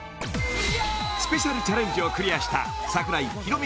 スペシャルチャレンジをクリアした櫻井ヒロミ